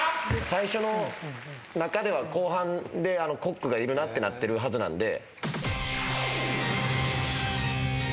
最初の中では後半でコックがいるなってなってるはずなんで。